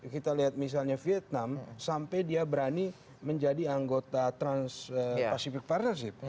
kita lihat misalnya vietnam sampai dia berani menjadi anggota trans pacific partnership